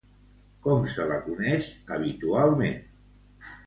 Com se la coneix, habitualment?